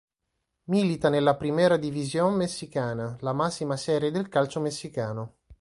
Milita nella Primera División messicana, la massima serie del calcio messicano.